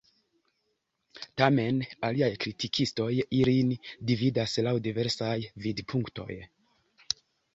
Tamen aliaj kritikistoj ilin dividas laŭ diversaj vidpunktoj.